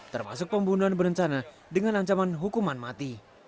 termasuk pembunuhan berencana dengan ancaman hukuman mati